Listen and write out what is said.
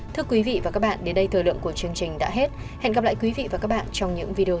thưa quý vị và các bạn đến đây thời lượng của chương trình đã hết hẹn gặp lại quý vị và các bạn trong những video